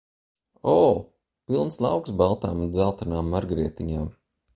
O, pilns lauks baltām un dzeltenām margrietiņām !